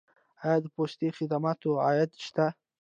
آیا د پستي خدماتو عاید شته؟